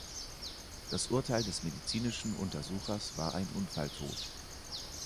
Das Urteil des medizinischen Untersuchers war ein Unfalltod.